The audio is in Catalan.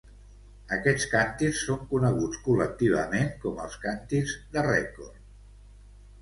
Aquests càntirs són coneguts col·lectivament com els càntirs de rècord.